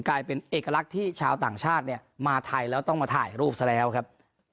กลายเป็นเอกลักษณ์ที่ชาวต่างชาติเนี่ยมาไทยแล้วต้องมาถ่ายรูปซะแล้วครับ